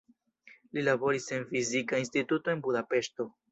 Li laboris en fizika instituto en Budapeŝto.